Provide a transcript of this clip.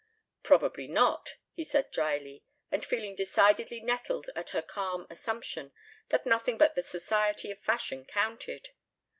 "Probably not," he said drily and feeling decidedly nettled at her calm assumption that nothing but the society of fashion counted.